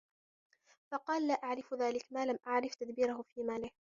فَقَالَ لَا أَعْرِفُ ذَلِكَ مَا لَمْ أَعْرِفْ تَدْبِيرَهُ فِي مَالِهِ